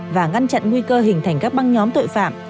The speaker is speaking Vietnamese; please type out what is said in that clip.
và ngăn chặn nguy cơ hình thành các băng nhóm tội phạm